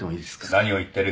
何を言ってる。